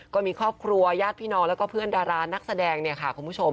ก็มีครอบครัวญาติพี่น้องแล้วก็เพื่อนดารานักแสดงเนี่ยค่ะคุณผู้ชม